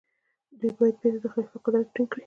دوی باید بيرته د خليفه قدرت ټينګ کړي.